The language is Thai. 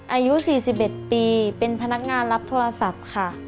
อายุ๔๑ปีเป็นพนักงานรับโทรศัพท์ค่ะ